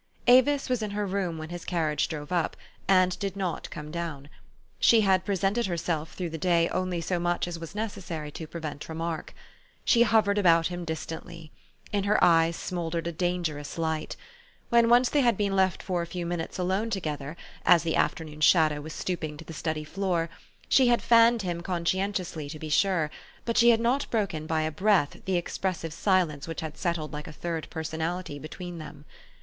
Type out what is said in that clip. Avis was in her room when his carriage drove up, and did not come down. She had presented herself through the day only so much as was necessary to prevent remark. She hovered about him distantly. In her eyes smouldered a dangerous light. When once they had been left for a few minutes alone together, as the afternoon shadow was stooping to the study floor, she had fanned him conscientiously, to be sure ; but she had not broken by a breath, the expressive silence which settled like a third person ality between them.